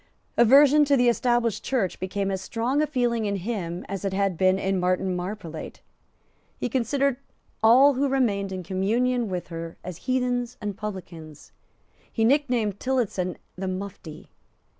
Aversion to the Established Church became as strong a feeling in him as it had been in Martin Marprelate. He considered all who remained in communion with her as heathens and publicans. He nicknamed Tillotson the Mufti.